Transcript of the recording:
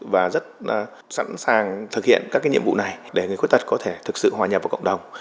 và rất sẵn sàng thực hiện các nhiệm vụ này để người khuyết tật có thể thực sự hòa nhập vào cộng đồng